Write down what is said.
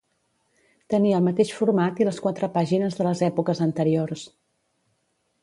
Tenia el mateix format i les quatre pàgines de les èpoques anteriors.